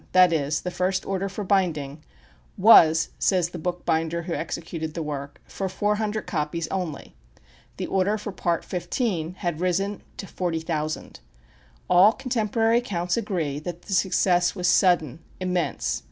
that is, the first order for binding, "was," says the bookbinder who executed the work, "for four hundred copies only." The order for Part XV. had risen to forty thousand. All contemporary accounts agree that the success was sudden, immense.